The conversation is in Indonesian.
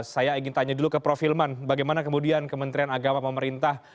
saya ingin tanya dulu ke prof hilman bagaimana kemudian kementerian agama pemerintah